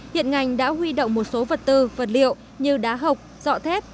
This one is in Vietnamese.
hiện ngành đã huy động một số vật tư vật liệu như đá hộc dọ thép